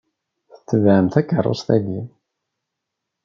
Tebɛem takeṛṛust-ayi.